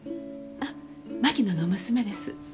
あ槙野の娘です。